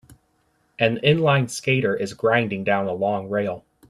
An inline skater is grinding down a long rail.